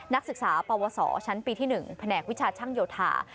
นักศึกษาปวสชั้นปีที่๑แผนกวิชาช่างโยธา